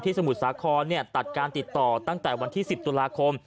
สมุทรสาครตัดการติดต่อตั้งแต่วันที่๑๐ตุลาคม